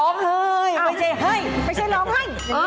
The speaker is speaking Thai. ไม่ใช่ให้ไม่ใช่ร้องไห้